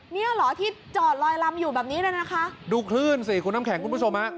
เนี่ยเหรอที่จอดลอยลำอยู่แบบนี้เลยนะคะดูคลื่นสิคุณน้ำแข็งคุณผู้ชมฮะ